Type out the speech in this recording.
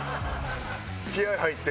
気合入ってる。